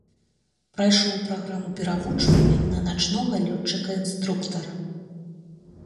Прайшоў праграму перавучвання на начнога лётчыка-інструктара.